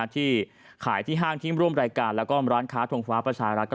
ที่ขายที่ห้างที่ร่วมรายการแล้วก็ร้านค้าทงฟ้าประชารัฐ